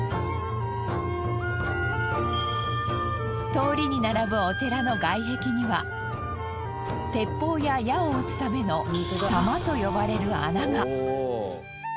通りに並ぶお寺の外壁には鉄砲や矢を撃つための狭間と呼ばれる穴が。